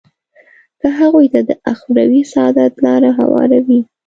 که هغوی ته د اخروي سعادت لاره هواروي.